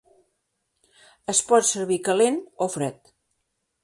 Es pot servir calent o fred.